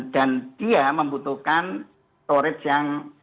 dan dia membutuhkan storage yang